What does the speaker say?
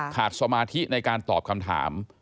สมาธิในการตอบคำถาม